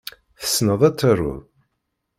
Tessneḍ ad taruḍ?